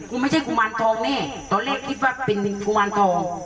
ไม่ใช่กุมารทองแน่ตอนแรกคิดว่าเป็นกุมารทอง